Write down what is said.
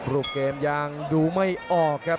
รูปเกมยังดูไม่ออกครับ